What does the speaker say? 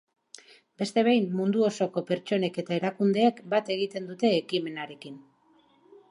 Beste behin, mundu osoko pertsonek eta erakundeek bat egin dute ekimenarekin.